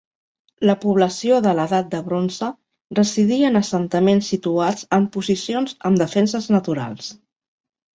La població de l'edat de bronze residia en assentaments situats en posicions amb defenses naturals.